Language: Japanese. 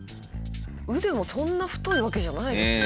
腕もそんな太いわけじゃないですよ。